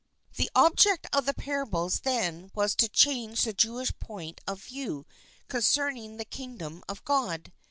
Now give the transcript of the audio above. The object of the parables then was to change the Jewish point of view concerning the King dom of God.